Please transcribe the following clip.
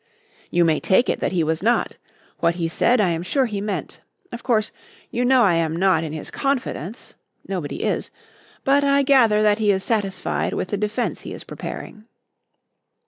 "You may take it that he was not. What he said, I am sure he meant. Of course, you know I am not in his confidence nobody is but I gather that he is satisfied with the defence he is preparing."